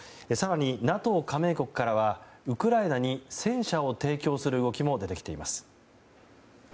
更にＮＡＴＯ加盟国からはウクライナに戦車を提供する動きも出てきています。